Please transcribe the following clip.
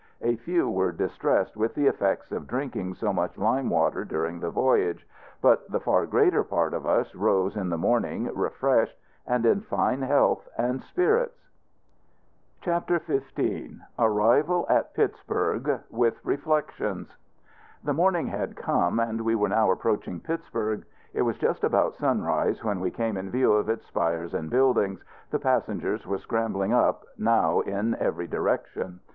A few were distressed with the effects of drinking so much lime water during the voyage; but the far greater part of us rose in the morning refreshed, and in fine health and spirits. CHAPTER XV. ARRIVAL AT PITTSBURG, WITH REFLECTIONS. The morning had come, and we were now approaching Pittsburg. It was just about sunrise when we came in view of its spires and buildings. The passengers were scrambling up, now, in every direction.